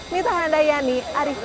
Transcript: minta handa yani arifin